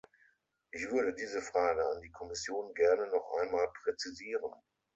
Ich würde diese Frage an die Kommission gerne noch einmal präzisieren.